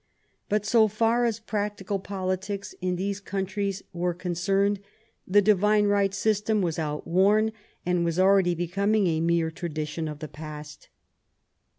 But so far as practical politics in these countries were con cerned, the divine right system was outworn and was already becoming a mere tradition of the past.